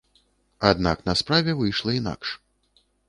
Аднак на справе выйшла інакш.